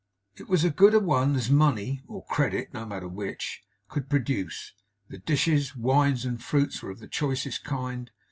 It was a good a one as money (or credit, no matter which) could produce. The dishes, wines, and fruits were of the choicest kind.